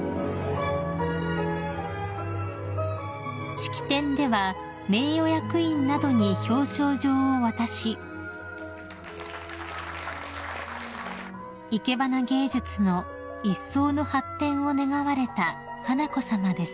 ［式典では名誉役員などに表彰状を渡しいけばな芸術のいっそうの発展を願われた華子さまです］